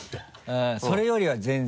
あっそれよりは全然。